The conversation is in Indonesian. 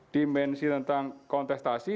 dimensi tentang kontestasi